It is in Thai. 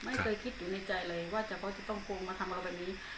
ไม่เคยคิดอยู่ในใจเลยว่าเฉพาะจะต้องคงมาทำเราแบบนี้